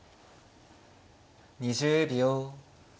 ２０秒。